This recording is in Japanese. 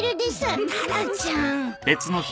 タラちゃん。